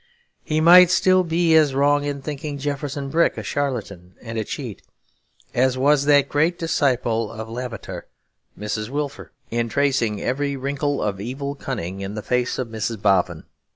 He might still be as wrong in thinking Jefferson Brick a charlatan and a cheat as was that great disciple of Lavater, Mrs. Wilfer, in tracing every wrinkle of evil cunning in the face of Mrs. Boffin.